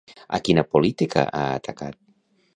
A quina política ha atacat?